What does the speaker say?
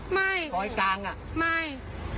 ไม่ปลอยกลางอ่ะไม่